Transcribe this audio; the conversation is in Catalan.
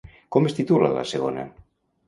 Com es titula la segona?